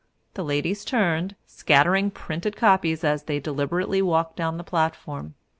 The ladies turned, scattering printed copies as they deliberately walked down the platform.